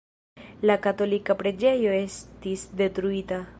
La katolika preĝejo estis detruita.